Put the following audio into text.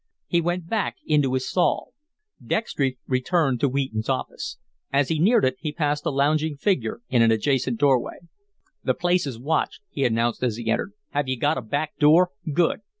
He went back into his stall. Dextry returned to Wheaton's office. As he neared it, he passed a lounging figure in an adjacent doorway. "The place is watched," he announced as he entered. "Have you got a back door? Good!